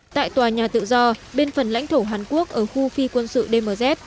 tại tòa nhà tự do bên phần lãnh thổ hàn quốc ở khu phi quân sự dmz